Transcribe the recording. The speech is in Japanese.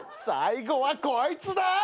最後はこいつだ！